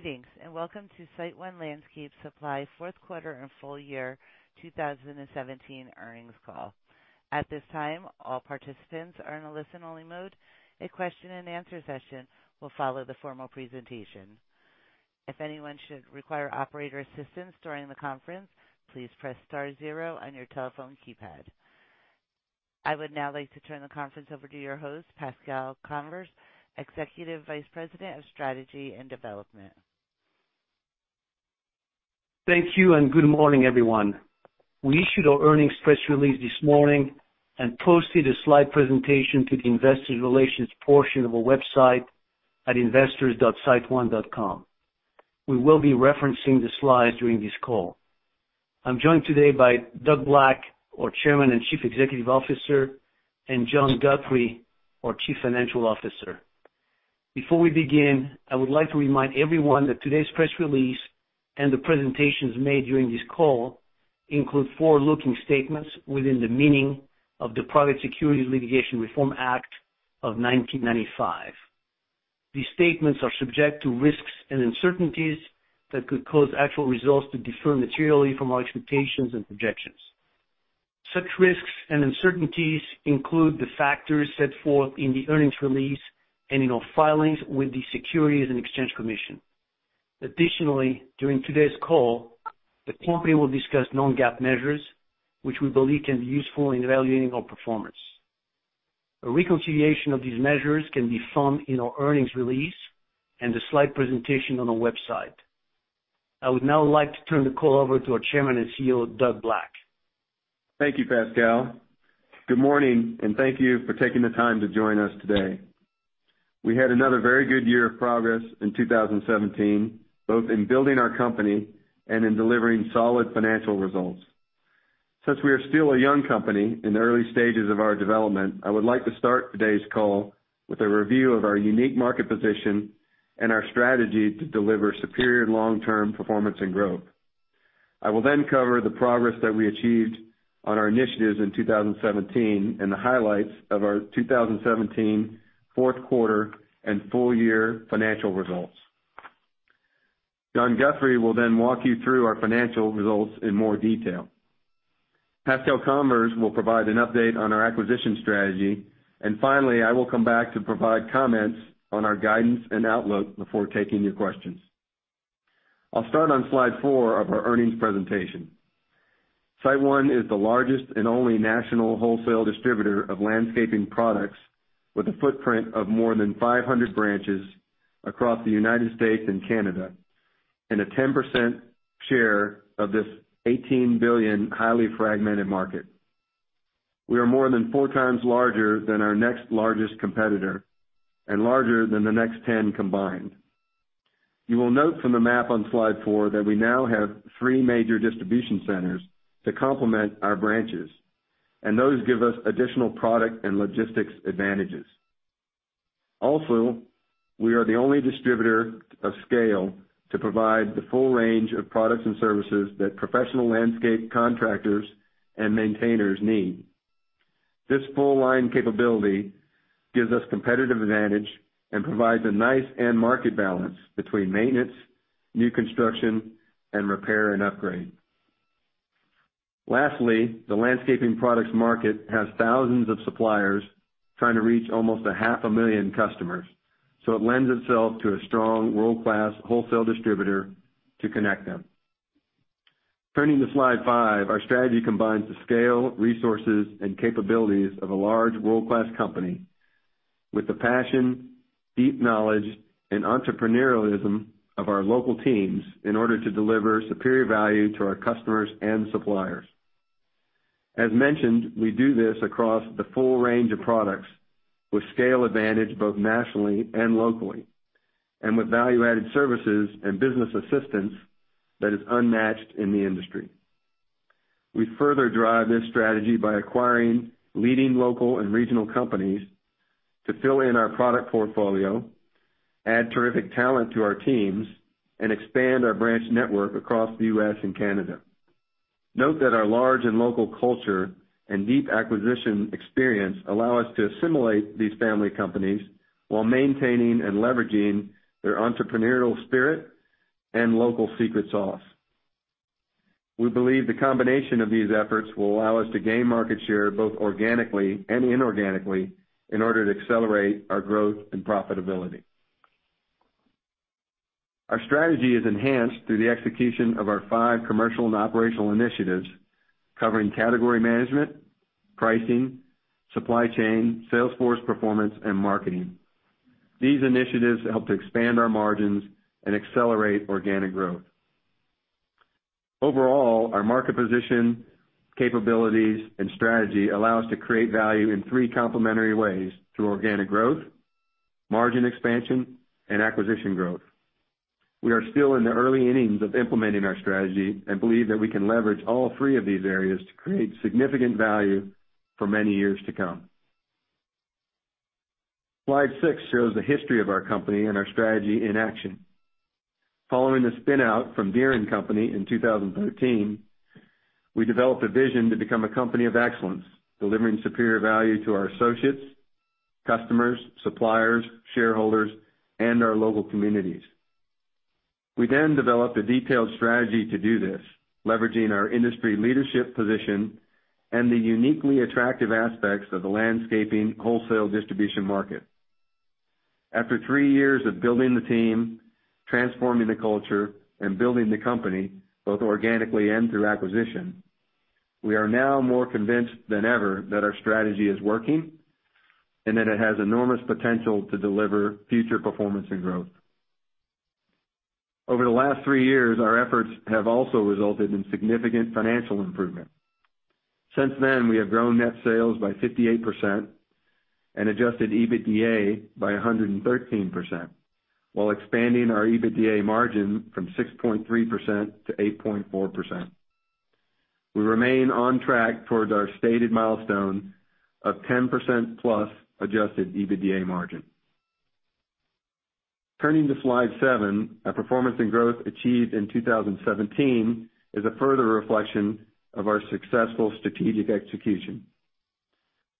Greetings. Welcome to SiteOne Landscape Supply fourth quarter and full year 2017 earnings call. At this time, all participants are in a listen-only mode. A question and answer session will follow the formal presentation. If anyone should require operator assistance during the conference, please press star zero on your telephone keypad. I would now like to turn the conference over to your host, Pascal Convers, Executive Vice President of Strategy and Development. Thank you. Good morning, everyone. We issued our earnings press release this morning and posted a slide presentation to the investor relations portion of our website at investors.siteone.com. We will be referencing the slides during this call. I'm joined today by Doug Black, our Chairman and Chief Executive Officer, and John Guthrie, our Chief Financial Officer. Before we begin, I would like to remind everyone that today's press release and the presentations made during this call include forward-looking statements within the meaning of the Private Securities Litigation Reform Act of 1995. These statements are subject to risks and uncertainties that could cause actual results to differ materially from our expectations and projections. Such risks and uncertainties include the factors set forth in the earnings release and in our filings with the Securities and Exchange Commission. Additionally, during today's call, the company will discuss non-GAAP measures which we believe can be useful in evaluating our performance. A reconciliation of these measures can be found in our earnings release and the slide presentation on our website. I would now like to turn the call over to our Chairman and CEO, Doug Black. Thank you, Pascal. Good morning. Thank you for taking the time to join us today. We had another very good year of progress in 2017, both in building our company and in delivering solid financial results. Since we are still a young company in the early stages of our development, I would like to start today's call with a review of our unique market position and our strategy to deliver superior long-term performance and growth. I will then cover the progress that we achieved on our initiatives in 2017 and the highlights of our 2017 fourth quarter and full year financial results. John Guthrie will then walk you through our financial results in more detail. Pascal Convers will provide an update on our acquisition strategy. Finally, I will come back to provide comments on our guidance and outlook before taking your questions. I'll start on slide four of our earnings presentation. SiteOne is the largest and only national wholesale distributor of landscaping products, with a footprint of more than 500 branches across the U.S. and Canada, and a 10% share of this $18 billion highly fragmented market. We are more than four times larger than our next largest competitor and larger than the next 10 combined. You will note from the map on slide four that we now have three major distribution centers to complement our branches, and those give us additional product and logistics advantages. Also, we are the only distributor of scale to provide the full range of products and services that professional landscape contractors and maintainers need. This full line capability gives us competitive advantage and provides a nice end market balance between maintenance, new construction, and repair and upgrade. The landscaping products market has thousands of suppliers trying to reach almost a half a million customers, so it lends itself to a strong world-class wholesale distributor to connect them. Turning to slide five, our strategy combines the scale, resources, and capabilities of a large world-class company with the passion, deep knowledge, and entrepreneurialism of our local teams in order to deliver superior value to our customers and suppliers. As mentioned, we do this across the full range of products with scale advantage, both nationally and locally, and with value-added services and business assistance that is unmatched in the industry. We further drive this strategy by acquiring leading local and regional companies to fill in our product portfolio, add terrific talent to our teams, and expand our branch network across the U.S. and Canada. Note that our large and local culture and deep acquisition experience allow us to assimilate these family companies while maintaining and leveraging their entrepreneurial spirit and local secret sauce. We believe the combination of these efforts will allow us to gain market share, both organically and inorganically, in order to accelerate our growth and profitability. Our strategy is enhanced through the execution of our five commercial and operational initiatives covering category management, pricing, supply chain, sales force performance, and marketing. These initiatives help to expand our margins and accelerate organic growth. Overall, our market position, capabilities, and strategy allow us to create value in three complementary ways: through organic growth, margin expansion, and acquisition growth. We are still in the early innings of implementing our strategy and believe that we can leverage all three of these areas to create significant value for many years to come. Slide six shows the history of our company and our strategy in action. Following the spin-out from Deere & Company in 2013. We developed a vision to become a company of excellence, delivering superior value to our associates, customers, suppliers, shareholders, and our local communities. We developed a detailed strategy to do this, leveraging our industry leadership position and the uniquely attractive aspects of the landscaping wholesale distribution market. After three years of building the team, transforming the culture, and building the company, both organically and through acquisition, we are now more convinced than ever that our strategy is working and that it has enormous potential to deliver future performance and growth. Over the last three years, our efforts have also resulted in significant financial improvement. Since then, we have grown net sales by 58% and adjusted EBITDA by 113%, while expanding our EBITDA margin from 6.3%-8.4%. We remain on track towards our stated milestone of 10% plus adjusted EBITDA margin. Turning to slide seven, our performance and growth achieved in 2017 is a further reflection of our successful strategic execution.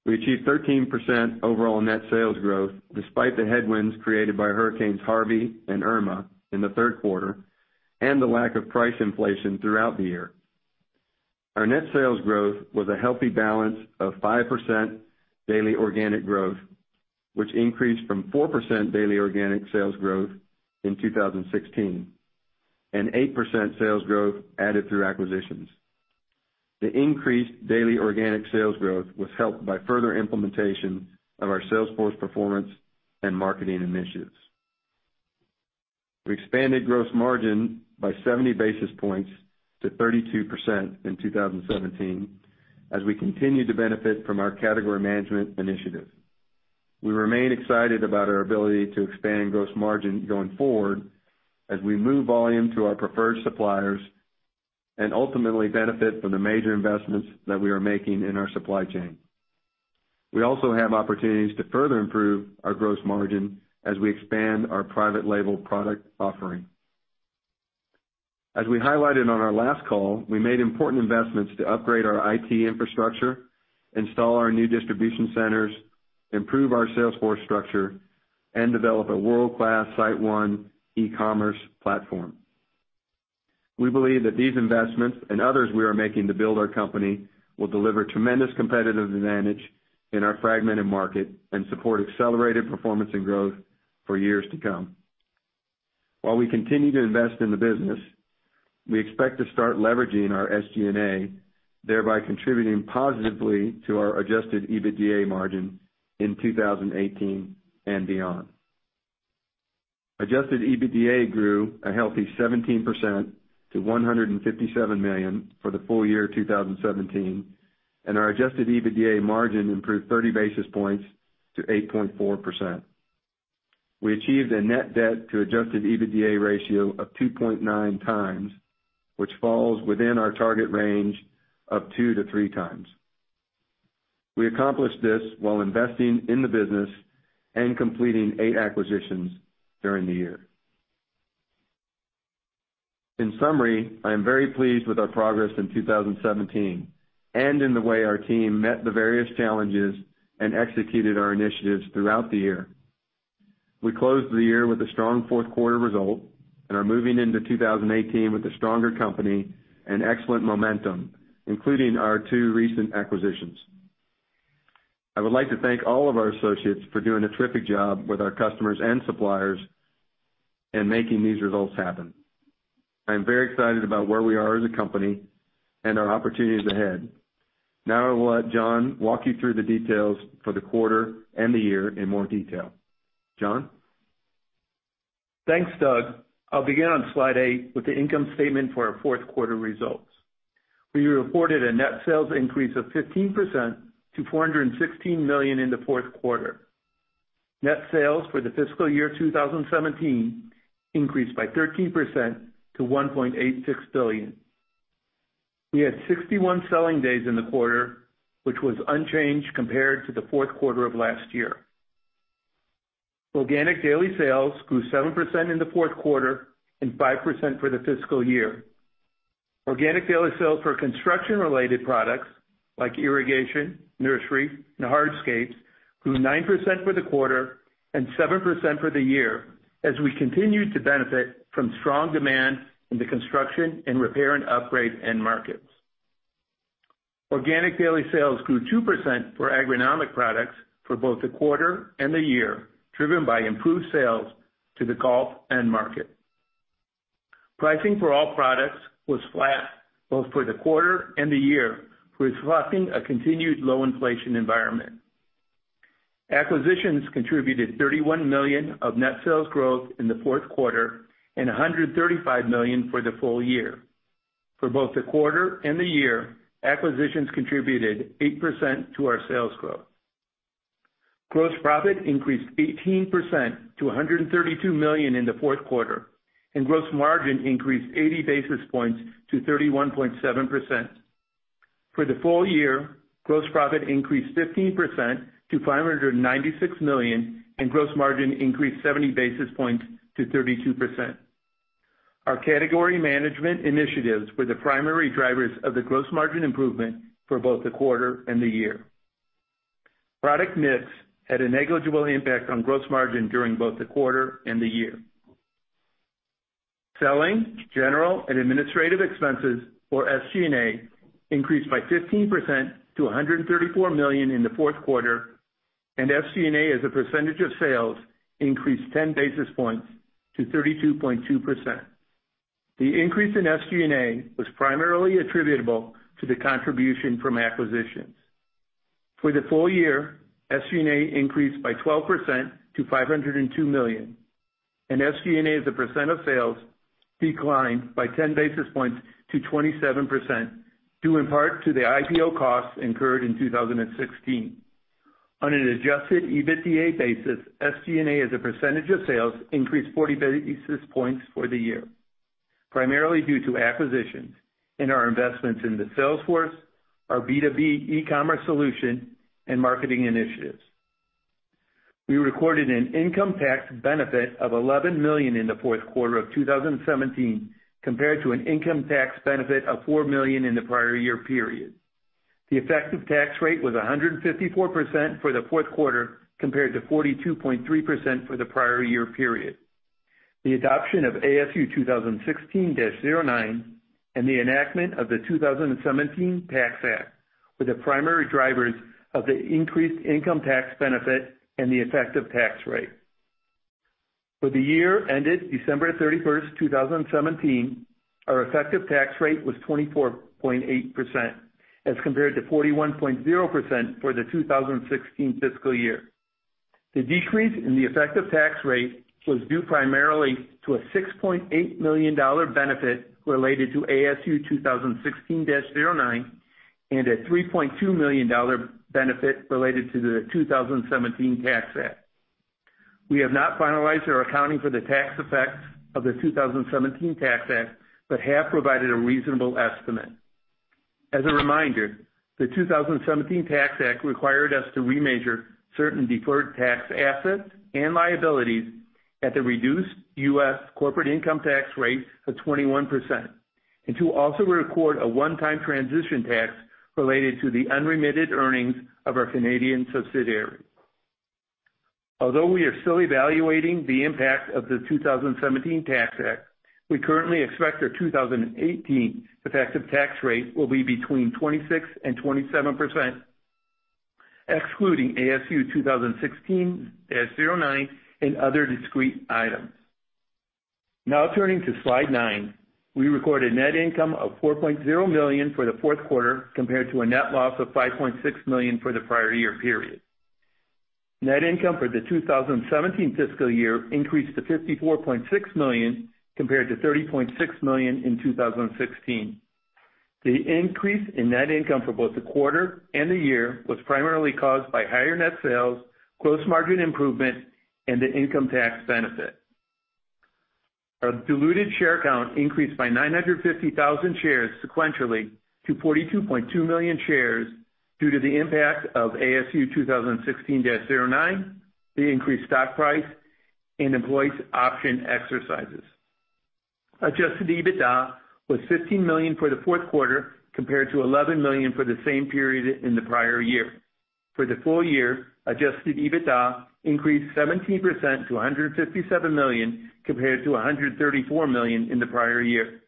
We achieved 13% overall net sales growth despite the headwinds created by hurricanes Harvey and Irma in the third quarter and the lack of price inflation throughout the year. Our net sales growth was a healthy balance of 5% daily organic growth, which increased from 4% daily organic sales growth in 2016, and 8% sales growth added through acquisitions. The increased daily organic sales growth was helped by further implementation of our sales force performance and marketing initiatives. We expanded gross margin by 70 basis points to 32% in 2017 as we continued to benefit from our category management initiative. We remain excited about our ability to expand gross margin going forward as we move volume to our preferred suppliers and ultimately benefit from the major investments that we are making in our supply chain. We also have opportunities to further improve our gross margin as we expand our private label product offering. As we highlighted on our last call, we made important investments to upgrade our IT infrastructure, install our new distribution centers, improve our sales force structure, and develop a world-class SiteOne e-commerce platform. We believe that these investments and others we are making to build our company will deliver tremendous competitive advantage in our fragmented market and support accelerated performance and growth for years to come. While we continue to invest in the business, we expect to start leveraging our SG&A, thereby contributing positively to our adjusted EBITDA margin in 2018 and beyond. Adjusted EBITDA grew a healthy 17% to $157 million for the full year 2017, and our adjusted EBITDA margin improved 30 basis points to 8.4%. We achieved a net debt to adjusted EBITDA ratio of 2.9 times, which falls within our target range of two to three times. We accomplished this while investing in the business and completing eight acquisitions during the year. In summary, I am very pleased with our progress in 2017 and in the way our team met the various challenges and executed our initiatives throughout the year. We closed the year with a strong fourth quarter result and are moving into 2018 with a stronger company and excellent momentum, including our two recent acquisitions. I would like to thank all of our associates for doing a terrific job with our customers and suppliers in making these results happen. I am very excited about where we are as a company and our opportunities ahead. Now I will let John walk you through the details for the quarter and the year in more detail. John? Thanks, Doug. I'll begin on slide eight with the income statement for our fourth quarter results. We reported a net sales increase of 15% to $416 million in the fourth quarter. Net sales for the fiscal year 2017 increased by 13% to $1.86 billion. We had 61 selling days in the quarter, which was unchanged compared to the fourth quarter of last year. Organic daily sales grew 7% in the fourth quarter and 5% for the fiscal year. Organic daily sales for construction-related products like irrigation, nursery, and hardscapes grew 9% for the quarter and 7% for the year as we continued to benefit from strong demand in the construction and repair and upgrade end markets. Organic daily sales grew 2% for agronomic products for both the quarter and the year, driven by improved sales to the golf end market. Pricing for all products was flat both for the quarter and the year, reflecting a continued low inflation environment. Acquisitions contributed $31 million of net sales growth in the fourth quarter and $135 million for the full year. For both the quarter and the year, acquisitions contributed 8% to our sales growth. Gross profit increased 18% to $132 million in the fourth quarter, and gross margin increased 80 basis points to 31.7%. For the full year, gross profit increased 15% to $596 million, and gross margin increased 70 basis points to 32%. Our category management initiatives were the primary drivers of the gross margin improvement for both the quarter and the year. Product mix had a negligible impact on gross margin during both the quarter and the year. Selling, general, and administrative expenses, or SG&A, increased by 15% to $134 million in the fourth quarter, and SG&A, as a percentage of sales, increased 10 basis points to 32.2%. The increase in SG&A was primarily attributable to the contribution from acquisitions. For the full year, SG&A increased by 12% to $502 million, and SG&A as a percent of sales declined by 10 basis points to 27%, due in part to the IPO costs incurred in 2016. On an adjusted EBITDA basis, SG&A as a percentage of sales increased 40 basis points for the year, primarily due to acquisitions in our investments in the sales force, our B2B e-commerce solution, and marketing initiatives. We recorded an income tax benefit of $11 million in the fourth quarter of 2017 compared to an income tax benefit of $4 million in the prior year period. The effective tax rate was 154% for the fourth quarter compared to 42.3% for the prior year period. The adoption of ASU 2016-09 and the enactment of the 2017 Tax Act were the primary drivers of the increased income tax benefit and the effective tax rate. For the year ended December 31st, 2017, our effective tax rate was 24.8% as compared to 41.0% for the 2016 fiscal year. The decrease in the effective tax rate was due primarily to a $6.8 million benefit related to ASU 2016-09 and a $3.2 million benefit related to the 2017 Tax Act. We have not finalized our accounting for the tax effects of the 2017 Tax Act but have provided a reasonable estimate. As a reminder, the 2017 Tax Act required us to remeasure certain deferred tax assets and liabilities at the reduced U.S. corporate income tax rate of 21% and to also record a one-time transition tax related to the unremitted earnings of our Canadian subsidiary. Although we are still evaluating the impact of the 2017 Tax Act, we currently expect our 2018 effective tax rate will be between 26% and 27%, excluding ASU 2016-09 and other discrete items. Now turning to slide nine. We recorded net income of $4.0 million for the fourth quarter compared to a net loss of $5.6 million for the prior year period. Net income for the 2017 fiscal year increased to $54.6 million compared to $30.6 million in 2016. The increase in net income for both the quarter and the year was primarily caused by higher net sales, gross margin improvement, and the income tax benefit. Our diluted share count increased by 950,000 shares sequentially to 42.2 million shares due to the impact of ASU 2016-09, the increased stock price, and employees' option exercises. Adjusted EBITDA was $15 million for the fourth quarter compared to $11 million for the same period in the prior year. For the full year, adjusted EBITDA increased 17% to $157 million compared to $134 million in the prior year.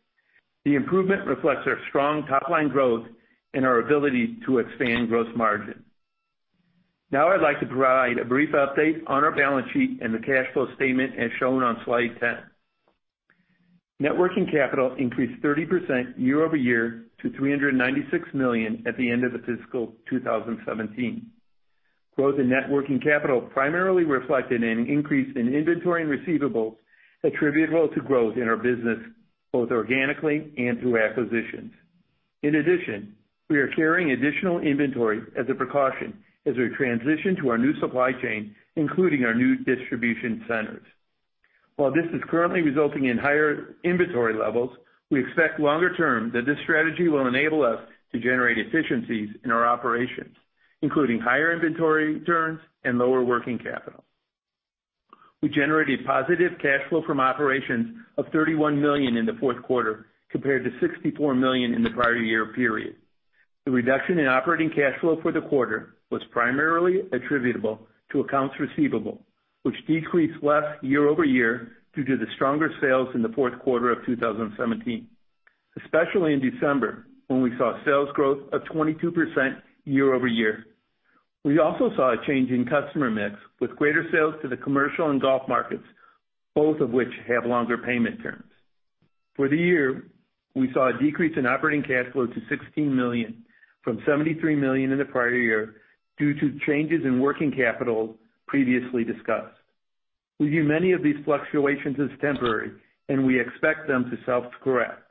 The improvement reflects our strong top-line growth and our ability to expand gross margin. Now I'd like to provide a brief update on our balance sheet and the cash flow statement as shown on slide 10. Net working capital increased 30% year-over-year to $396 million at the end of the fiscal 2017. Growth in net working capital primarily reflected an increase in inventory and receivables attributable to growth in our business, both organically and through acquisitions. In addition, we are carrying additional inventory as a precaution as we transition to our new supply chain, including our new distribution centers. While this is currently resulting in higher inventory levels, we expect longer term that this strategy will enable us to generate efficiencies in our operations, including higher inventory turns and lower working capital. We generated positive cash flow from operations of $31 million in the fourth quarter compared to $64 million in the prior year period. The reduction in operating cash flow for the quarter was primarily attributable to accounts receivable, which decreased less year-over-year due to the stronger sales in the fourth quarter of 2017, especially in December, when we saw sales growth of 22% year-over-year. We also saw a change in customer mix with greater sales to the commercial and golf markets, both of which have longer payment terms. For the year, we saw a decrease in operating cash flow to $16 million from $73 million in the prior year due to changes in working capital previously discussed. We view many of these fluctuations as temporary, and we expect them to self-correct.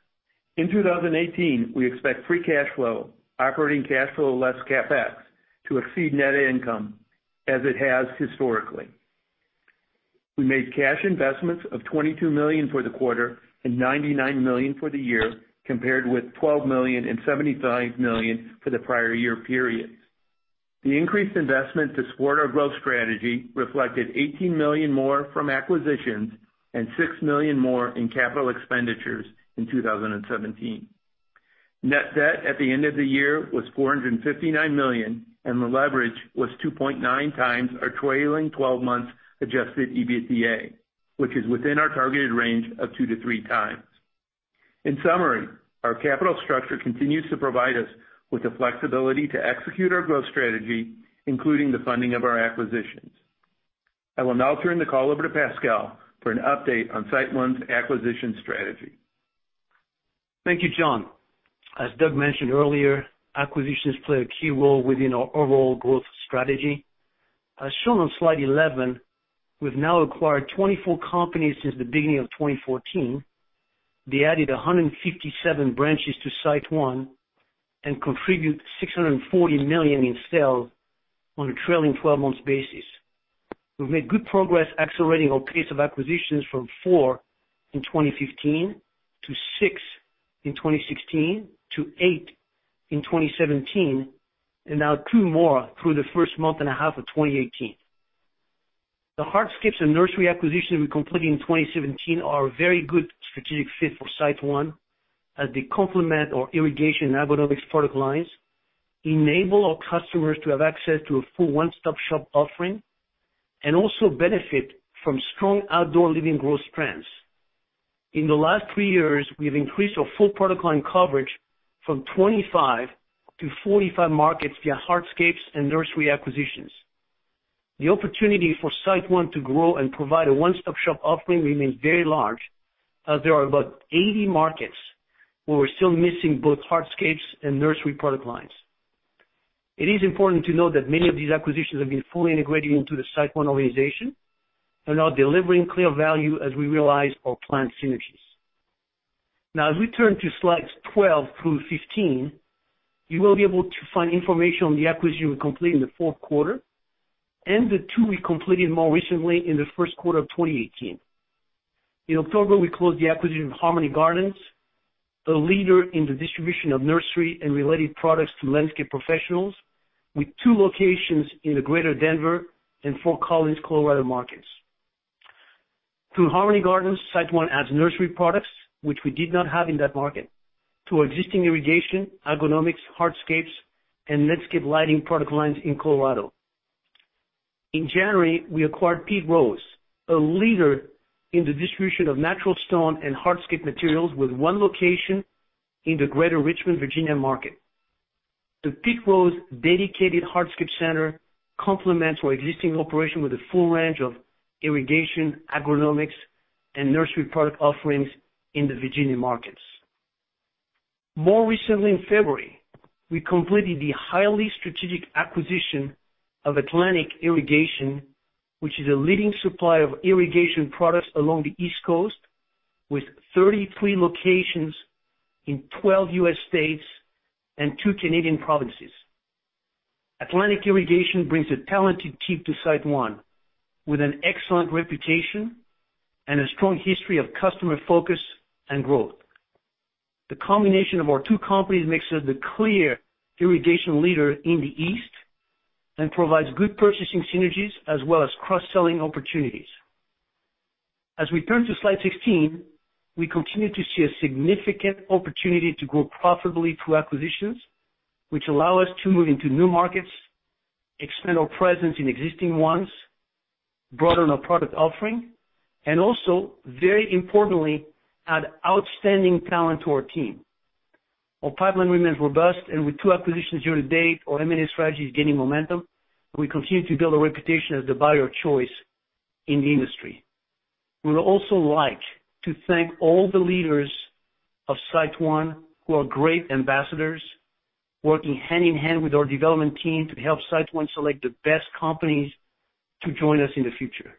In 2018, we expect free cash flow, operating cash flow less CapEx, to exceed net income as it has historically. We made cash investments of $22 million for the quarter and $99 million for the year, compared with $12 million and $75 million for the prior year period. The increased investment to support our growth strategy reflected $18 million more from acquisitions and $6 million more in capital expenditures in 2017. Net debt at the end of the year was $459 million, and the leverage was 2.9 times our trailing 12 months adjusted EBITDA, which is within our targeted range of two to three times. In summary, our capital structure continues to provide us with the flexibility to execute our growth strategy, including the funding of our acquisitions. I will now turn the call over to Pascal for an update on SiteOne's acquisition strategy. Thank you, John. As Doug mentioned earlier, acquisitions play a key role within our overall growth strategy. As shown on slide 11, we've now acquired 24 companies since the beginning of 2014. They added 157 branches to SiteOne and contribute $640 million in sales on a trailing 12 months basis. We've made good progress accelerating our pace of acquisitions from four in 2015, to six in 2016, to eight in 2017, and now two more through the first month and a half of 2018. The hardscapes and nursery acquisitions we completed in 2017 are a very good strategic fit for SiteOne as they complement our irrigation and agronomics product lines, enable our customers to have access to a full one-stop shop offering, and also benefit from strong outdoor living growth trends. In the last three years, we've increased our full product line coverage from 25 to 45 markets via hardscapes and nursery acquisitions. The opportunity for SiteOne to grow and provide a one-stop shop offering remains very large, as there are about 80 markets where we're still missing both hardscapes and nursery product lines. As we turn to slides 12 through 15, you will be able to find information on the acquisition we completed in the fourth quarter and the two we completed more recently in the first quarter of 2018. In October, we closed the acquisition of Harmony Gardens, a leader in the distribution of nursery and related products to landscape professionals with two locations in the greater Denver and Fort Collins, Colorado markets. Through Harmony Gardens, SiteOne adds nursery products, which we did not have in that market, to our existing irrigation, agronomics, hardscapes, and landscape lighting product lines in Colorado. In January, we acquired Pete Rose, a leader in the distribution of natural stone and hardscape materials with one location in the greater Richmond, Virginia market. The Pete Rose dedicated hardscape center complements our existing operation with a full range of irrigation, agronomics, and nursery product offerings in the Virginia markets. More recently in February, we completed the highly strategic acquisition of Atlantic Irrigation, which is a leading supplier of irrigation products along the East Coast with 33 locations in 12 U.S. states and two Canadian provinces. Atlantic Irrigation brings a talented team to SiteOne with an excellent reputation and a strong history of customer focus and growth. The combination of our two companies makes us the clear irrigation leader in the East and provides good purchasing synergies as well as cross-selling opportunities. As we turn to slide 16, we continue to see a significant opportunity to grow profitably through acquisitions, which allow us to move into new markets, expand our presence in existing ones, broaden our product offering, and also, very importantly, add outstanding talent to our team. With two acquisitions year to date, our M&A strategy is gaining momentum, and we continue to build a reputation as the buyer of choice in the industry. We would also like to thank all the leaders of SiteOne who are great ambassadors, working hand in hand with our development team to help SiteOne select the best companies to join us in the future.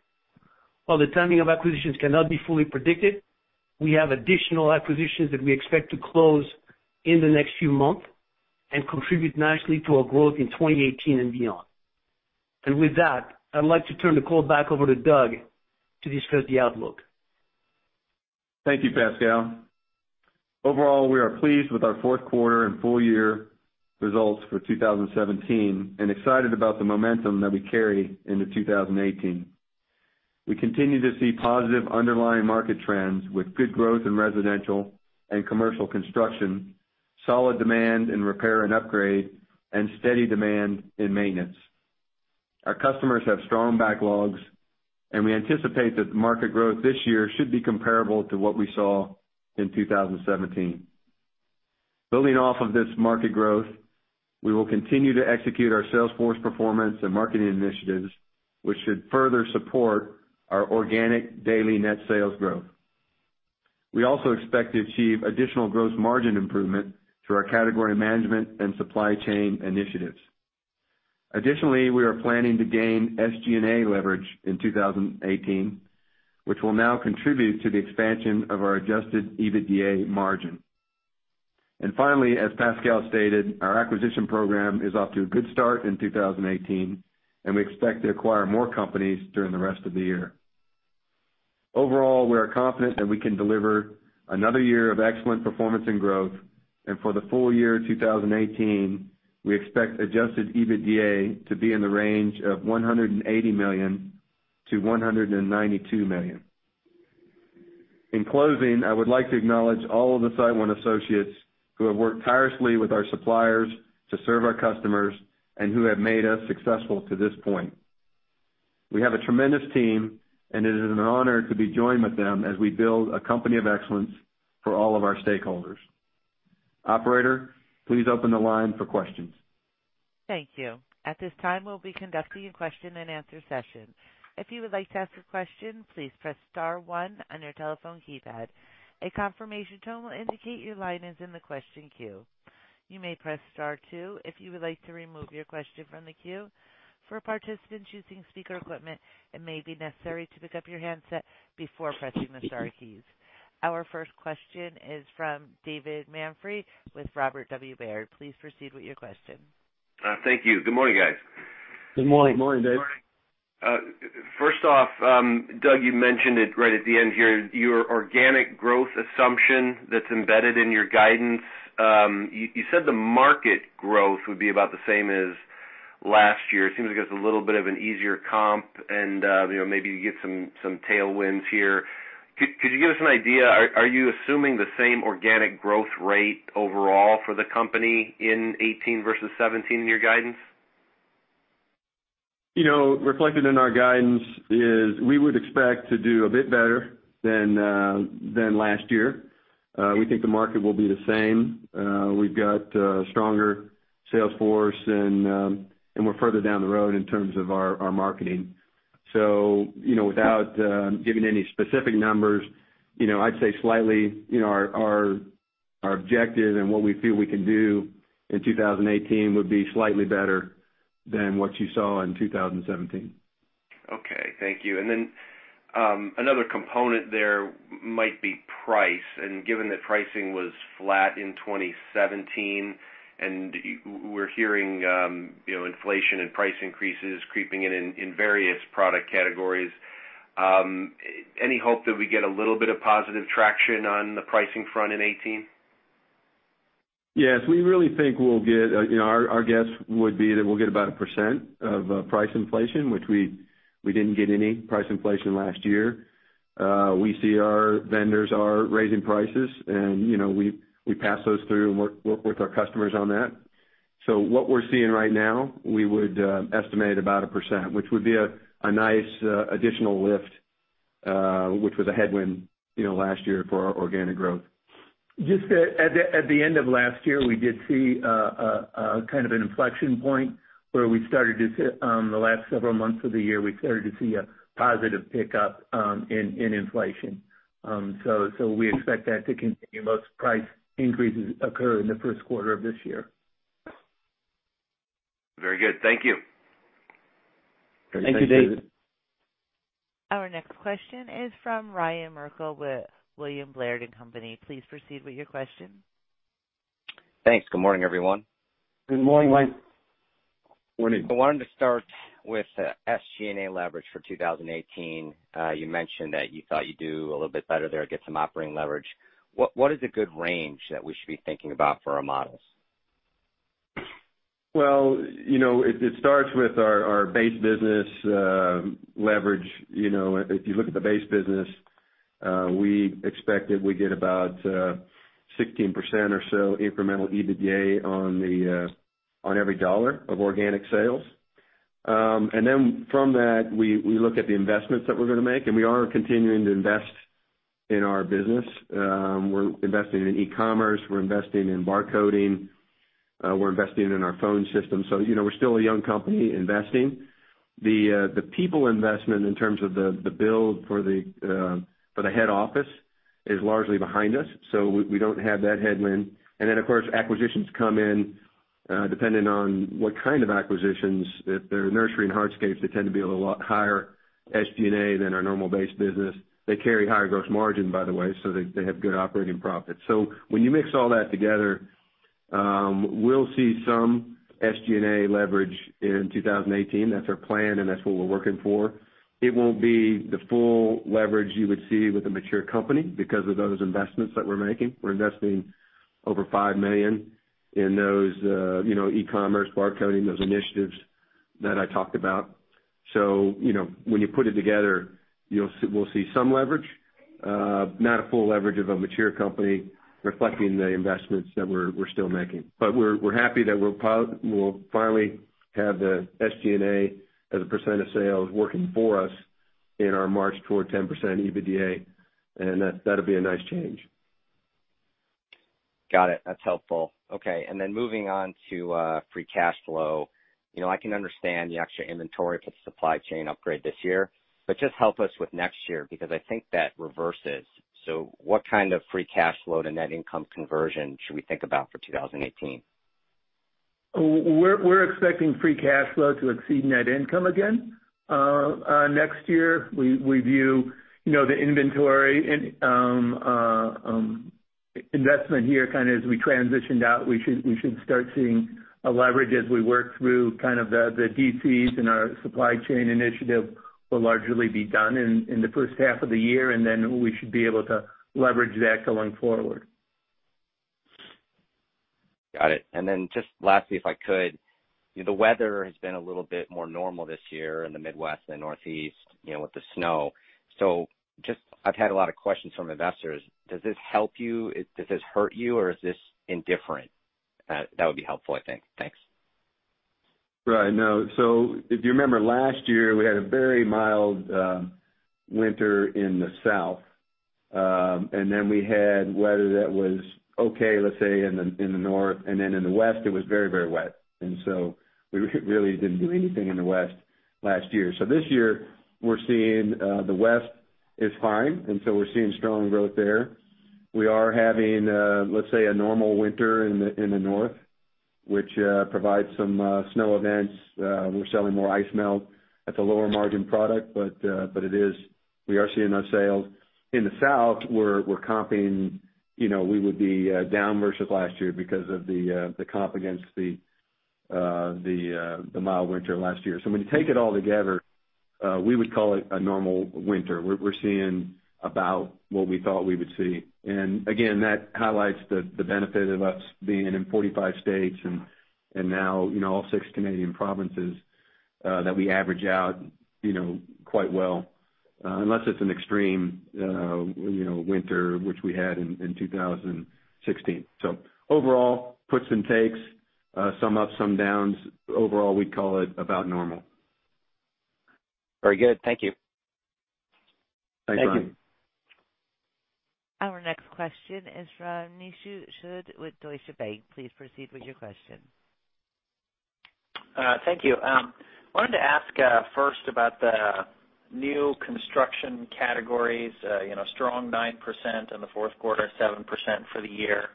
While the timing of acquisitions cannot be fully predicted, we have additional acquisitions that we expect to close in the next few months and contribute nicely to our growth in 2018 and beyond. With that, I'd like to turn the call back over to Doug to discuss the outlook. Thank you, Pascal. Overall, we are pleased with our fourth quarter and full year results for 2017 and excited about the momentum that we carry into 2018. We continue to see positive underlying market trends with good growth in residential and commercial construction, solid demand in repair and upgrade, and steady demand in maintenance. Our customers have strong backlogs, and we anticipate that the market growth this year should be comparable to what we saw in 2017. Building off of this market growth, we will continue to execute our sales force performance and marketing initiatives, which should further support our organic daily net sales growth. We also expect to achieve additional gross margin improvement through our category management and supply chain initiatives. Additionally, we are planning to gain SG&A leverage in 2018, which will now contribute to the expansion of our adjusted EBITDA margin. Finally, as Pascal stated, our acquisition program is off to a good start in 2018, and we expect to acquire more companies during the rest of the year. Overall, we are confident that we can deliver another year of excellent performance and growth. For the full year 2018, we expect adjusted EBITDA to be in the range of $180 million to $192 million. In closing, I would like to acknowledge all of the SiteOne associates who have worked tirelessly with our suppliers to serve our customers and who have made us successful to this point. We have a tremendous team, and it is an honor to be joined with them as we build a company of excellence for all of our stakeholders. Operator, please open the line for questions. Thank you. At this time, we'll be conducting a question and answer session. If you would like to ask a question, please press star one on your telephone keypad. A confirmation tone will indicate your line is in the question queue. You may press star two if you would like to remove your question from the queue. For participants using speaker equipment, it may be necessary to pick up your handset before pressing the star keys. Our first question is from David Manthey with Robert W. Baird. Please proceed with your question. Thank you. Good morning, guys. Good morning. Good morning, Dave. First off, Doug, you mentioned it right at the end here, your organic growth assumption that's embedded in your guidance. You said the market growth would be about the same as last year. It seems like it's a little bit of an easier comp and maybe you get some tailwinds here. Could you give us an idea? Are you assuming the same organic growth rate overall for the company in 2018 versus 2017 in your guidance? Reflected in our guidance is we would expect to do a bit better than last year. We think the market will be the same. We've got a stronger sales force, and we're further down the road in terms of our marketing. Without giving any specific numbers, I'd say slightly our objective and what we feel we can do in 2018 would be slightly better than what you saw in 2017. Okay, thank you. Another component there might be price, given that pricing was flat in 2017 and we're hearing inflation and price increases creeping in various product categories, any hope that we get a little bit of positive traction on the pricing front in 2018? Yes, our guess would be that we'll get about 1% of price inflation, which we didn't get any price inflation last year. We see our vendors are raising prices, and we pass those through and work with our customers on that. What we're seeing right now, we would estimate about 1%, which would be a nice additional lift, which was a headwind last year for our organic growth. Just at the end of last year, we did see an inflection point where we started to see, the last several months of the year, we started to see a positive pickup in inflation. We expect that to continue. Most price increases occur in the first quarter of this year. Very good. Thank you. Great. Thanks, David. Thank you, David. Our next question is from Ryan Merkel with William Blair & Company. Please proceed with your question. Thanks. Good morning, everyone. Good morning, Ryan. Morning. I wanted to start with the SG&A leverage for 2018. You mentioned that you thought you'd do a little bit better there, get some operating leverage. What is a good range that we should be thinking about for our models? It starts with our base business leverage. If you look at the base business, we expect that we get about 16% or so incremental EBITDA on every dollar of organic sales. From that, we look at the investments that we're going to make. We are continuing to invest in our business. We're investing in e-commerce. We're investing in barcoding. We're investing in our phone system. We're still a young company investing. The people investment in terms of the build for the head office is largely behind us, so we don't have that headwind. Of course, acquisitions come in, depending on what kind of acquisitions. If they're nursery and hardscapes, they tend to be a lot higher SG&A than our normal base business. They carry higher gross margin, by the way, so they have good operating profits. When you mix all that together, we'll see some SG&A leverage in 2018. That's our plan and that's what we're working for. It won't be the full leverage you would see with a mature company because of those investments that we're making. We're investing over $5 million in those e-commerce, barcoding, those initiatives that I talked about. When you put it together, we'll see some leverage, not a full leverage of a mature company reflecting the investments that we're still making. We're happy that we'll finally have the SG&A as a percent of sales working for us in our march toward 10% EBITDA, and that'll be a nice change. Got it. That's helpful. Moving on to free cash flow. I can understand the extra inventory for the supply chain upgrade this year. Just help us with next year, because I think that reverses. What kind of free cash flow to net income conversion should we think about for 2018? We're expecting free cash flow to exceed net income again next year. We view the inventory investment here as we transitioned out, we should start seeing a leverage as we work through the DCs and our supply chain initiative will largely be done in the first half of the year. We should be able to leverage that going forward. Got it. Just lastly, if I could, the weather has been a little bit more normal this year in the Midwest and Northeast, with the snow. I've had a lot of questions from investors. Does this help you, does this hurt you, or is this indifferent? That would be helpful, I think. Thanks. Right. If you remember last year, we had a very mild winter in the South. We had weather that was okay, let's say, in the North, in the West it was very wet. We really didn't do anything in the West last year. This year we're seeing the West is fine, we're seeing strong growth there. We are having, let's say, a normal winter in the North, which provides some snow events. We're selling more ice melt. That's a lower margin product, but we are seeing those sales. In the South, we're comping, we would be down versus last year because of the comp against the mild winter last year. When you take it all together, we would call it a normal winter. We're seeing about what we thought we would see. Again, that highlights the benefit of us being in 45 states and now all six Canadian provinces that we average out quite well, unless it's an extreme winter, which we had in 2016. Overall puts and takes, some up, some downs. Overall, we'd call it about normal. Very good. Thank you. Thanks, Ryan. Thank you. Our next question is from Nishu Sood with Deutsche Bank. Please proceed with your question. Thank you. Wanted to ask first about the new construction categories strong 9% in the fourth quarter, 7% for the year.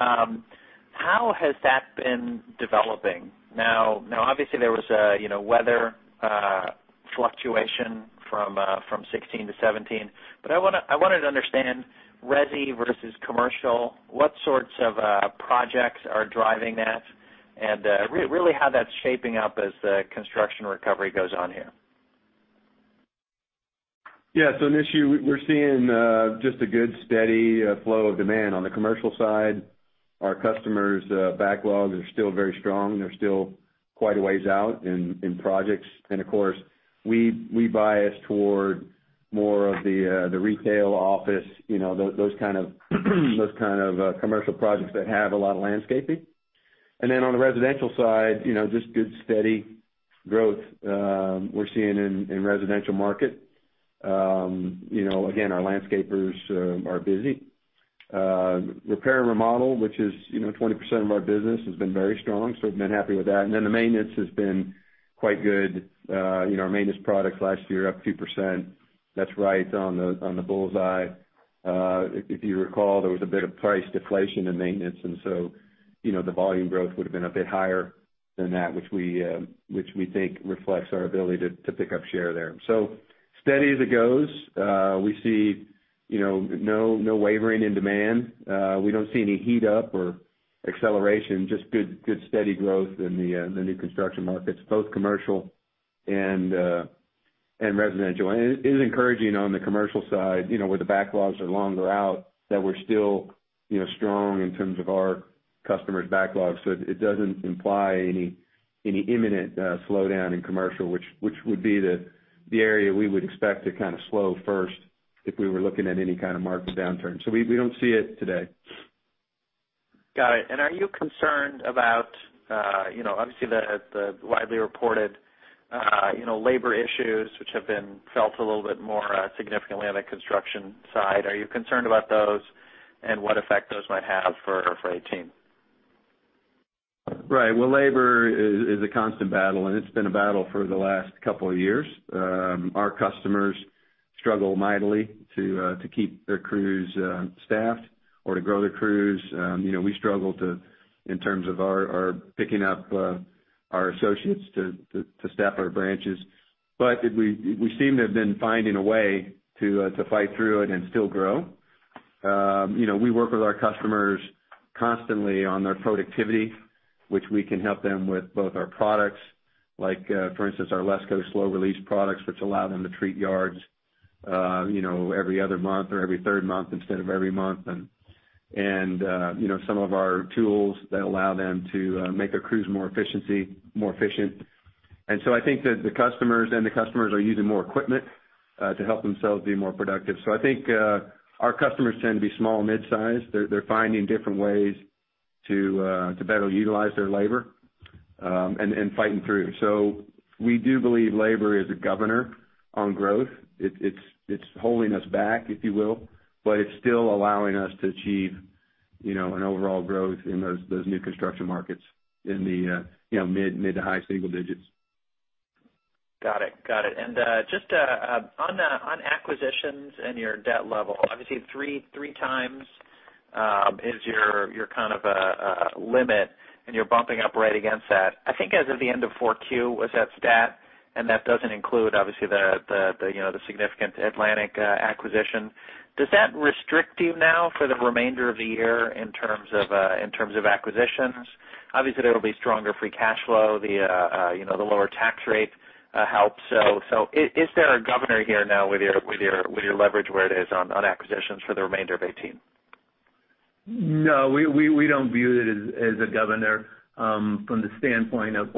How has that been developing? Now, obviously there was a weather fluctuation from 2016 to 2017, but I wanted to understand resi versus commercial. What sorts of projects are driving that and really how that's shaping up as the construction recovery goes on here? Nishu, we're seeing just a good steady flow of demand. On the commercial side, our customers' backlogs are still very strong. They're still quite a ways out in projects. Of course, we bias toward more of the retail office, those kind of commercial projects that have a lot of landscaping. On the residential side, just good steady growth we're seeing in residential market. Again, our landscapers are busy. Repair and remodel, which is 20% of our business, has been very strong, so we've been happy with that. The maintenance has been quite good. Our maintenance products last year up 2%. That's right on the bullseye. If you recall, there was a bit of price deflation in maintenance, the volume growth would've been a bit higher than that, which we think reflects our ability to pick up share there. Steady as it goes. We see no wavering in demand. We don't see any heat up or acceleration, just good steady growth in the new construction markets, both commercial and residential. It is encouraging on the commercial side, where the backlogs are longer out, that we're still strong in terms of our customers' backlogs. It doesn't imply any imminent slowdown in commercial, which would be the area we would expect to kind of slow first if we were looking at any kind of market downturn. We don't see it today. Got it. Are you concerned about obviously the widely reported labor issues which have been felt a little bit more significantly on the construction side? Are you concerned about those and what effect those might have for 2018? Right. Well, labor is a constant battle, it's been a battle for the last couple of years. Our customers struggle mightily to keep their crews staffed or to grow their crews. We struggle in terms of our picking up our associates to staff our branches. We seem to have been finding a way to fight through it and still grow. We work with our customers constantly on their productivity, which we can help them with both our products, like for instance, our LESCO slow release products, which allow them to treat yards every other month or every third month instead of every month, some of our tools that allow them to make their crews more efficient. I think that the customers are using more equipment to help themselves be more productive. I think our customers tend to be small, mid-size. They're finding different ways to better utilize their labor and fighting through. We do believe labor is a governor on growth. It's holding us back, if you will, but it's still allowing us to achieve an overall growth in those new construction markets in the mid to high single digits. Got it. Just on acquisitions and your debt level, obviously 3x is your limit, and you're bumping up right against that. I think as of the end of 4Q was that stat, and that doesn't include, obviously, the significant Atlantic acquisition. Does that restrict you now for the remainder of the year in terms of acquisitions? Obviously, there'll be stronger free cash flow, the lower tax rate helps. Is there a governor here now with your leverage where it is on acquisitions for the remainder of 2018? No, we don't view it as a governor from the standpoint of,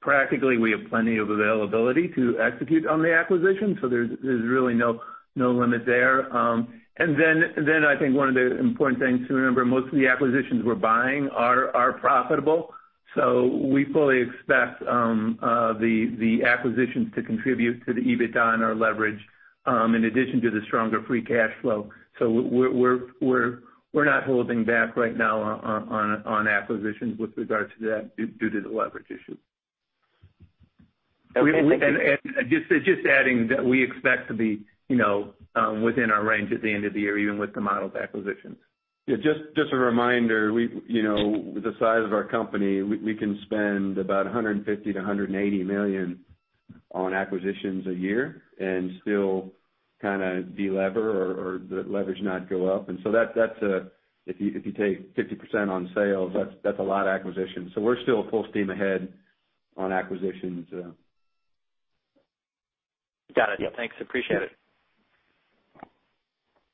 practically, we have plenty of availability to execute on the acquisition, there's really no limit there. I think one of the important things to remember, most of the acquisitions we're buying are profitable. We fully expect the acquisitions to contribute to the EBITDA and our leverage in addition to the stronger free cash flow. We're not holding back right now on acquisitions with regards to that due to the leverage issue. Okay. Just adding that we expect to be within our range at the end of the year, even with the modeled acquisitions. Yeah, just a reminder. With the size of our company, we can spend about $150 million-$180 million on acquisitions a year and still de-lever or the leverage not go up. If you take 50% on sales, that's a lot of acquisition. We're still full steam ahead on acquisitions. Got it. Yeah. Thanks, appreciate it.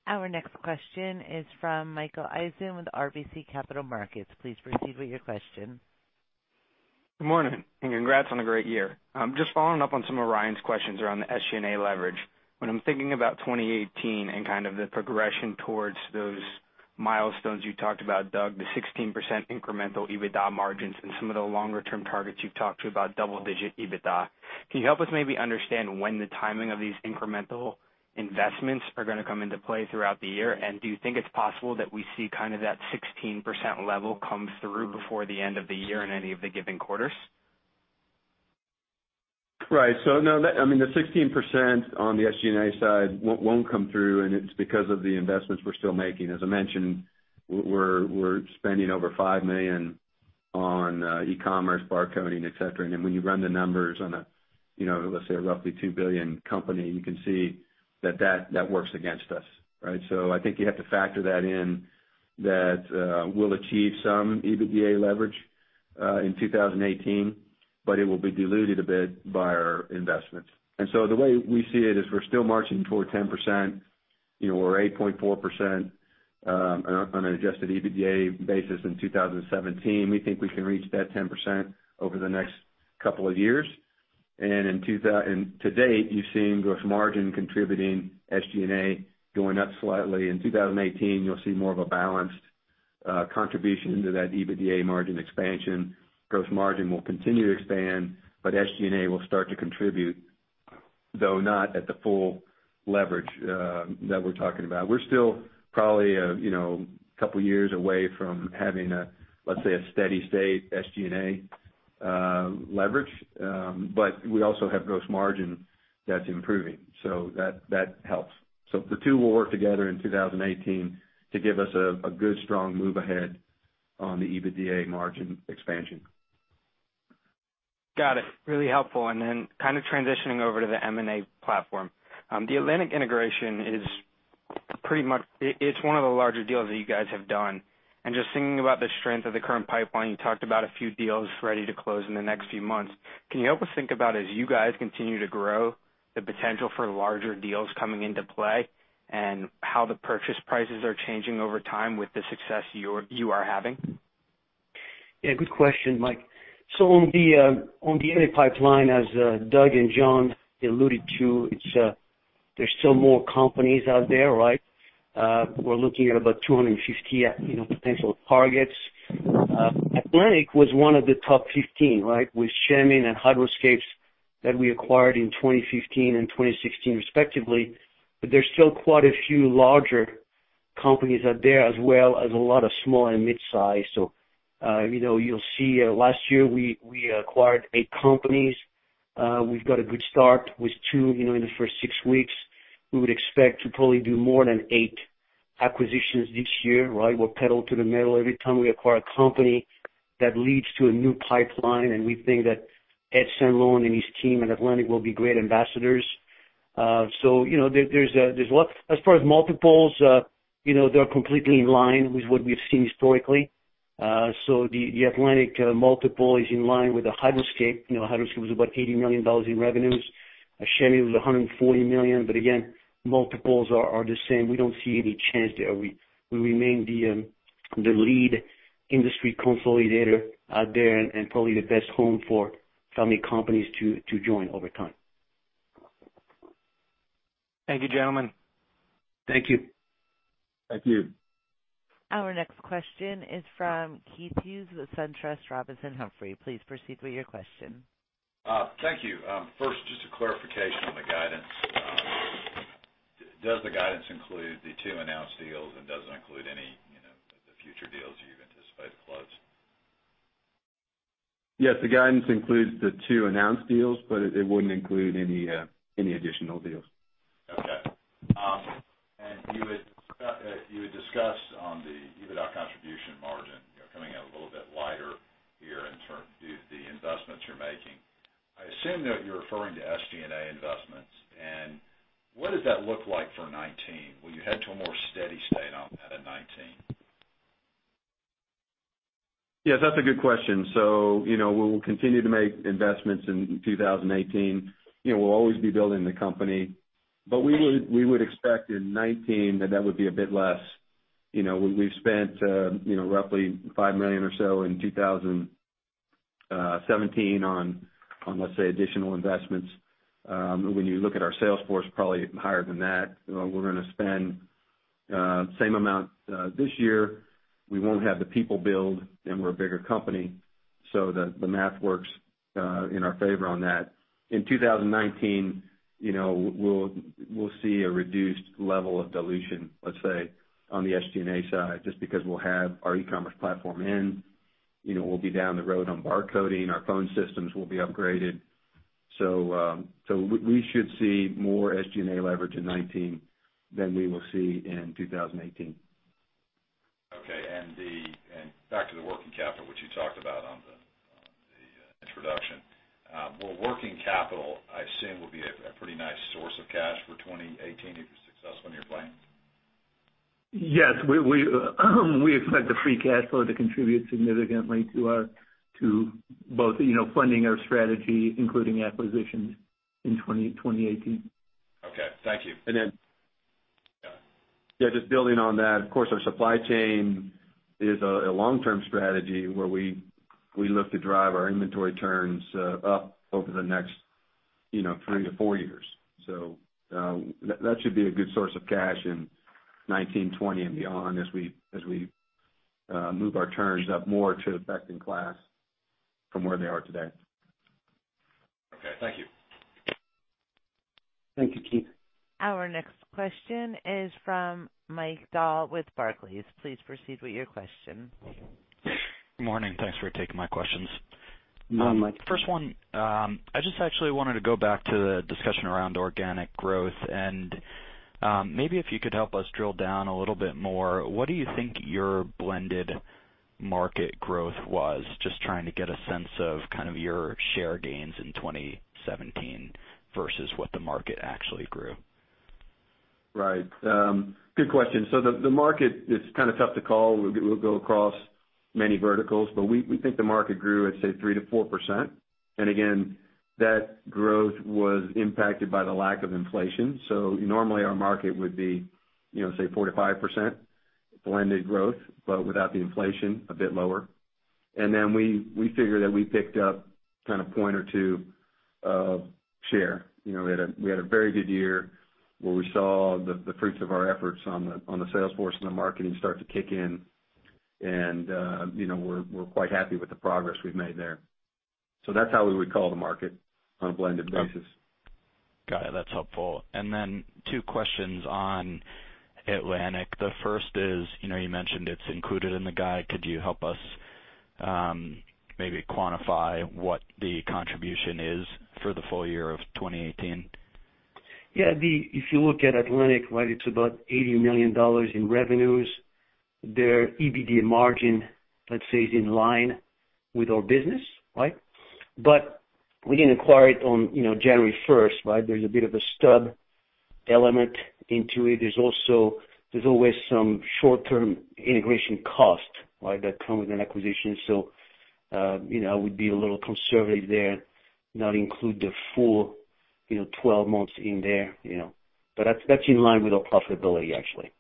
Our next question is from Michael Eisen with RBC Capital Markets. Please proceed with your question. Good morning, and congrats on a great year. Just following up on some of Ryan's questions around the SG&A leverage. When I'm thinking about 2018 and the progression towards those milestones you talked about, Doug, the 16% incremental EBITDA margins and some of the longer-term targets you've talked to about double-digit EBITDA. Can you help us maybe understand when the timing of these incremental investments are going to come into play throughout the year? Do you think it's possible that we see that 16% level come through before the end of the year in any of the given quarters? Right. No, the 16% on the SG&A side won't come through, and it's because of the investments we're still making. As I mentioned, we're spending over $5 million on e-commerce, barcoding, et cetera. When you run the numbers on a, let's say, a roughly $2 billion company, you can see that works against us, right? I think you have to factor that in that we'll achieve some EBITDA leverage in 2018, but it will be diluted a bit by our investments. The way we see it is we're still marching toward 10%. We're 8.4% on an adjusted EBITDA basis in 2017. We think we can reach that 10% over the next couple of years. To date, you've seen gross margin contributing, SG&A going up slightly. In 2018, you'll see more of a balanced contribution into that EBITDA margin expansion. Gross margin will continue to expand, but SG&A will start to contribute, though not at the full leverage that we're talking about. We're still probably a couple years away from having, let's say, a steady state SG&A leverage. We also have gross margin that's improving, that helps. The two will work together in 2018 to give us a good, strong move ahead on the EBITDA margin expansion. Got it. Really helpful. Kind of transitioning over to the M&A platform. The Atlantic integration is one of the larger deals that you guys have done. Just thinking about the strength of the current pipeline, you talked about a few deals ready to close in the next few months. Can you help us think about, as you guys continue to grow, the potential for larger deals coming into play and how the purchase prices are changing over time with the success you are having? Good question, Mike. On the M&A pipeline, as Doug and John alluded to, there's still more companies out there, right? We're looking at about 250 potential targets. Atlantic was one of the top 15, right? With Shemin and Hydro-Scape that we acquired in 2015 and 2016 respectively. There's still quite a few larger companies out there, as well as a lot of small and mid-size. You'll see last year we acquired eight companies. We've got a good start with two in the first six weeks. We would expect to probably do more than eight acquisitions this year, right? We're pedal to the metal every time we acquire a company that leads to a new pipeline, and we think that Ed Santalone and his team at Atlantic will be great ambassadors. There's lot. As far as multiples, they're completely in line with what we've seen historically. The Atlantic multiple is in line with the Hydro-Scape. Hydro-Scape was about $80 million in revenues. Shemin was $140 million. Again, multiples are the same. We don't see any change there. We remain the lead industry consolidator out there and probably the best home for family companies to join over time. Thank you, gentlemen. Thank you. Thank you. Our next question is from Keith Hughes with SunTrust Robinson Humphrey. Please proceed with your question. Thank you. First, just a clarification on the guidance. Does the guidance include the two announced deals, and does it include any- Yes, the guidance includes the two announced deals, but it wouldn't include any additional deals. You had discussed on the EBITDA contribution margin, coming out a little bit lighter here in terms of the investments you're making. I assume that you're referring to SG&A investments. What does that look like for 2019? Will you head to a more steady state on that in 2019? Yes, that's a good question. We will continue to make investments in 2018. We'll always be building the company, but we would expect in 2019 that that would be a bit less. We've spent roughly $5 million or so in 2017 on, let's say, additional investments. When you look at our sales force, probably higher than that. We're going to spend same amount this year. We won't have the people build, we're a bigger company, the math works in our favor on that. In 2019, we'll see a reduced level of dilution, let's say, on the SG&A side, just because we'll have our e-commerce platform in, we'll be down the road on bar coding, our phone systems will be upgraded. We should see more SG&A leverage in 2019 than we will see in 2018. Back to the working capital, which you talked about on the introduction. Working capital, I assume, will be a pretty nice source of cash for 2018 if you're successful in your plan. Yes. We expect the free cash flow to contribute significantly to both funding our strategy, including acquisitions in 2018. Okay. Thank you. And then- Yeah. Just building on that, of course, our supply chain is a long-term strategy where we look to drive our inventory turns up over the next three to four years. That should be a good source of cash in 2019, 2020, and beyond as we move our turns up more to best in class from where they are today. Okay. Thank you. Thank you, Keith. Our next question is from Mike Dahl with Barclays. Please proceed with your question. Morning. Thanks for taking my questions. Morning, Mike. First one, I just actually wanted to go back to the discussion around organic growth and maybe if you could help us drill down a little bit more, what do you think your blended market growth was? Just trying to get a sense of kind of your share gains in 2017 versus what the market actually grew. Right. Good question. The market is kind of tough to call. We'll go across many verticals, but we think the market grew at, say, 3%-4%. Again, that growth was impacted by the lack of inflation. Normally, our market would be, say, 4%-5% blended growth, but without the inflation, a bit lower. We figure that we picked up kind of point or two of share. We had a very good year where we saw the fruits of our efforts on the sales force and the marketing start to kick in. We're quite happy with the progress we've made there. That's how we would call the market on a blended basis. Got it. That's helpful. Two questions on Atlantic. The first is, you mentioned it's included in the guide, could you help us maybe quantify what the contribution is for the full year of 2018? Yeah. If you look at Atlantic, it's about $80 million in revenues. Their EBITDA margin, let's say, is in line with our business. We didn't acquire it on January 1st. There's a bit of a stub element into it. There's always some short-term integration cost that come with an acquisition. I would be a little conservative there, not include the full 12 months in there. That's in line with our profitability, actually.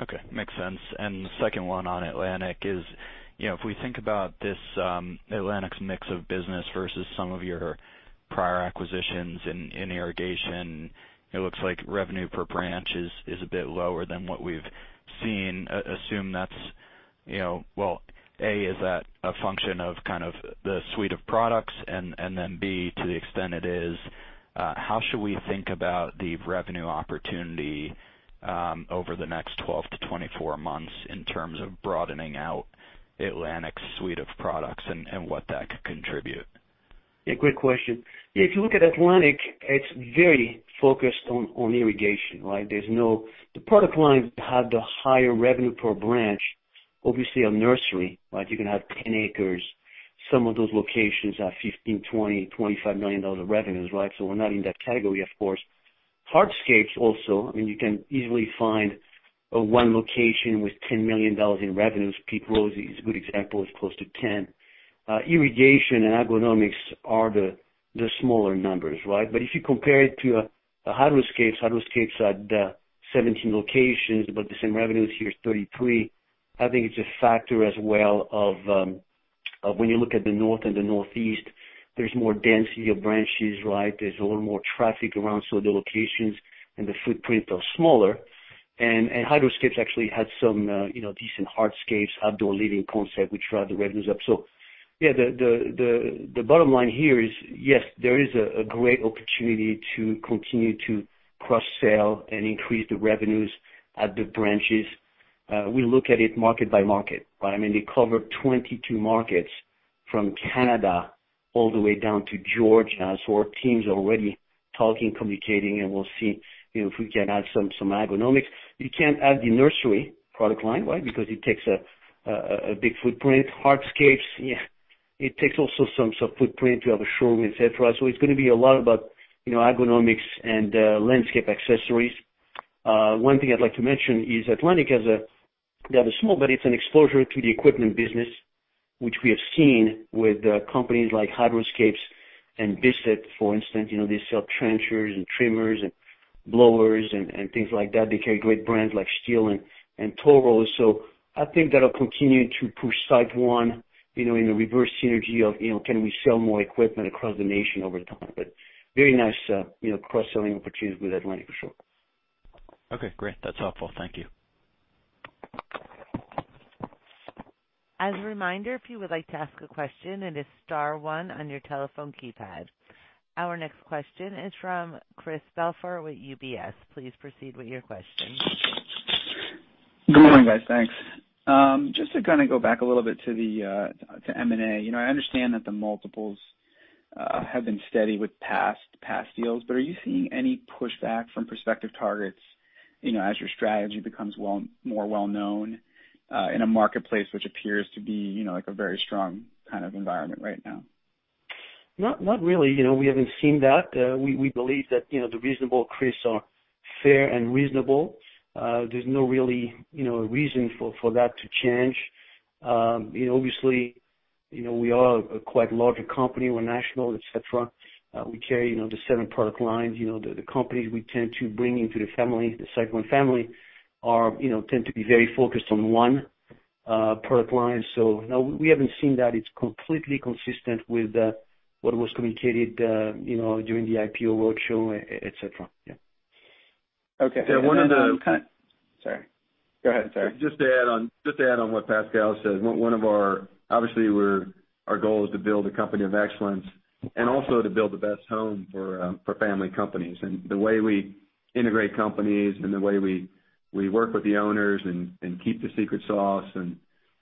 Okay. Makes sense. The second one on Atlantic is, if we think about this Atlantic's mix of business versus some of your prior acquisitions in irrigation, it looks like revenue per branch is a bit lower than what we've seen. Assume that's, well, A, is that a function of kind of the suite of products? Then B, to the extent it is, how should we think about the revenue opportunity over the next 12 to 24 months in terms of broadening out Atlantic's suite of products and what that could contribute? Yeah, great question. If you look at Atlantic, it's very focused on irrigation. The product lines have the higher revenue per branch, obviously, a nursery. You can have 10 acres. Some of those locations have $15 million, $20 million, $25 million of revenues. We're not in that category, of course. Hardscapes also, I mean, you can easily find a one location with $10 million in revenues. Pete Rose is a good example, is close to 10. Irrigation and agronomics are the smaller numbers. If you compare it to a Hydro-Scape, Hydro-Scape had 17 locations, about the same revenues. Here it's 33. I think it's a factor as well of when you look at the North and the Northeast, there's more density of branches. There's a little more traffic around, so the locations and the footprint are smaller. Hydro-Scape actually had some decent hardscapes, outdoor living concept, which drive the revenues up. Yeah, the bottom line here is, yes, there is a great opportunity to continue to cross-sell and increase the revenues at the branches. We look at it market by market. They cover 22 markets from Canada all the way down to Georgia. Our team's already talking, communicating, and we'll see if we can add some agronomics. You can't add the nursery product line. Why? Because it takes a big footprint. Hardscapes, it takes also some footprint. You have a showroom, et cetera. It's going to be a lot about agronomics and landscape accessories. One thing I'd like to mention is Atlantic has a small, but it's an exposure to the equipment business, which we have seen with companies like Hydro-Scape and Bissett, for instance. They sell trenchers and trimmers and blowers and things like that. They carry great brands like STIHL and Toro. I think that'll continue to push SiteOne in the reverse synergy of can we sell more equipment across the nation over time. Very nice cross-selling opportunities with Atlantic, for sure. Okay, great. That's helpful. Thank you. As a reminder, if you would like to ask a question, it is star one on your telephone keypad. Our next question is from Chris Belfiore with UBS. Please proceed with your question. Good morning, guys. Thanks. Just to go back a little bit to M&A. I understand that the multiples have been steady with past deals, are you seeing any pushback from prospective targets, as your strategy becomes more well-known in a marketplace which appears to be like a very strong kind of environment right now? Not really. We haven't seen that. We believe that the reasonable increases are fair and reasonable. There's no really reason for that to change. Obviously, we are quite a larger company. We're national, et cetera. We carry the seven product lines. The companies we tend to bring into the SiteOne family tend to be very focused on one product line. No, we haven't seen that. It's completely consistent with what was communicated during the IPO roadshow, et cetera. Yeah. Okay. One of the- Sorry. Go ahead, sorry. Just to add on what Pascal said. Obviously our goal is to build a company of excellence and also to build the best home for family companies. The way we integrate companies and the way we work with the owners and keep the secret sauce and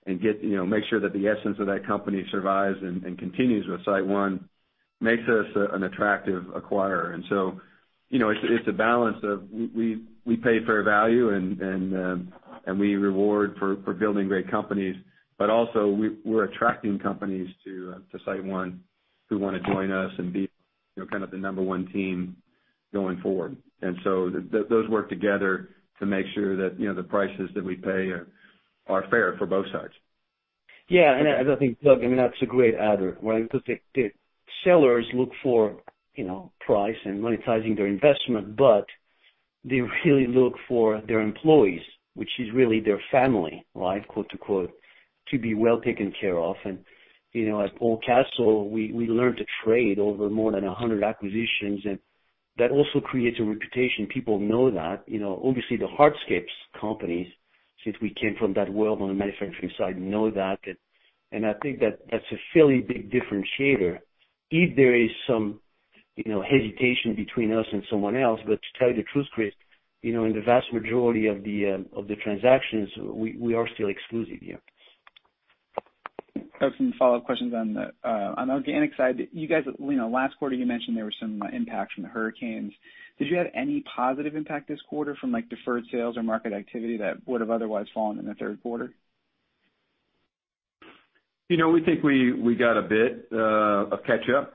make sure that the essence of that company survives and continues with SiteOne makes us an attractive acquirer. So, it's a balance of we pay fair value, and we reward for building great companies, but also we're attracting companies to SiteOne who want to join us and be kind of the number 1 team going forward. So those work together to make sure that the prices that we pay are fair for both sides. Yeah. I think, Doug, that's a great adder, right? Because the sellers look for price and monetizing their investment, but they really look for their employees, which is really their family, quote-unquote, to be well taken care of. At Paul Castle, we learned to trade over more than 100 acquisitions, and that also creates a reputation. People know that. Obviously, the hardscapes companies, since we came from that world on the manufacturing side, know that. I think that's a fairly big differentiator if there is some hesitation between us and someone else. To tell you the truth, Chris, in the vast majority of the transactions, we are still exclusive. Yeah. I have some follow-up questions on the organic side. Last quarter, you mentioned there was some impact from the hurricanes. Did you have any positive impact this quarter from deferred sales or market activity that would've otherwise fallen in the third quarter? We think we got a bit of catch up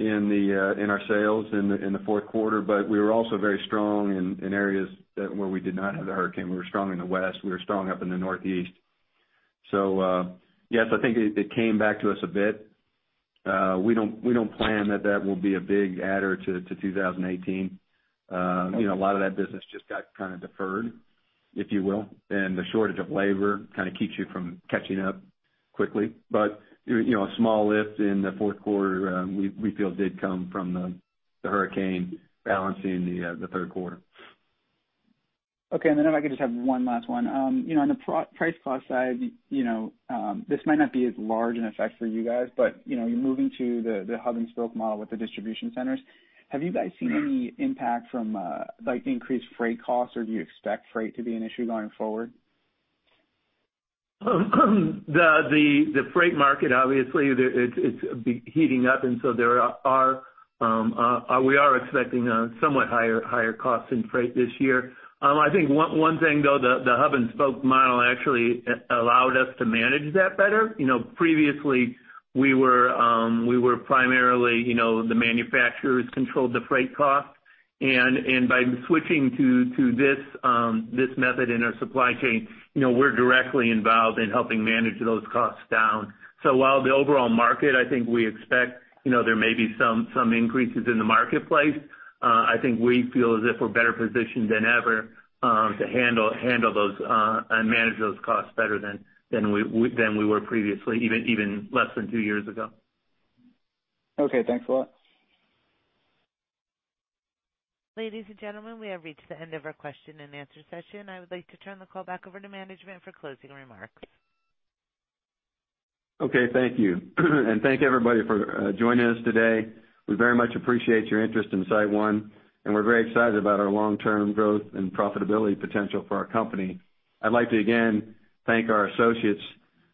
in our sales in the fourth quarter, but we were also very strong in areas where we did not have the hurricane. We were strong in the West, we were strong up in the Northeast. Yes, I think it came back to us a bit. We don't plan that that will be a big adder to 2018. A lot of that business just got kind of deferred, if you will, and the shortage of labor kind of keeps you from catching up quickly. A small lift in the fourth quarter, we feel did come from the hurricane balancing the third quarter. Okay. Then if I could just have one last one. On the price cost side, this might not be as large an effect for you guys, but you're moving to the hub and spoke model with the distribution centers. Have you guys seen any impact from the increased freight costs, or do you expect freight to be an issue going forward? The freight market, obviously, it's heating up, so we are expecting a somewhat higher cost in freight this year. I think one thing, though, the hub and spoke model actually allowed us to manage that better. Previously, we were primarily the manufacturers controlled the freight cost. By switching to this method in our supply chain, we're directly involved in helping manage those costs down. While the overall market, I think we expect there may be some increases in the marketplace, I think we feel as if we're better positioned than ever to handle those and manage those costs better than we were previously, even less than two years ago. Okay, thanks a lot. Ladies and gentlemen, we have reached the end of our question and answer session. I would like to turn the call back over to management for closing remarks. Okay, thank you. Thank everybody for joining us today. We very much appreciate your interest in SiteOne, and we're very excited about our long-term growth and profitability potential for our company. I'd like to again thank our associates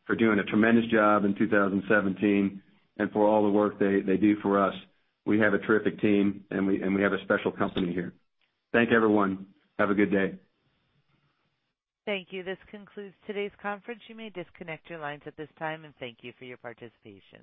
for doing a tremendous job in 2017 and for all the work they do for us. We have a terrific team, and we have a special company here. Thank you, everyone. Have a good day. Thank you. This concludes today's conference. You may disconnect your lines at this time, and thank you for your participation.